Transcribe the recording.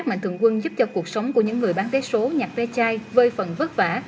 đội quân giúp cho cuộc sống của những người bán vé số nhặt vé chai vơi phận vất vả